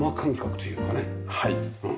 はい。